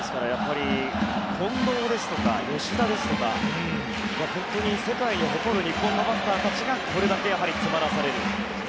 近藤や吉田という世界に誇る日本のバッターたちがこれだけ詰まらされる。